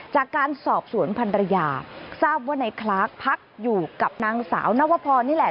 จากการสอบสวนพันรยาทราบว่าในคลาร์กพักอยู่กับนางสาวนวพรนี่แหละ